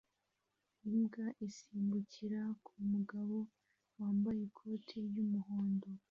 Imbwa isimbukira ku mugabo wambaye ikoti ry'umuhondo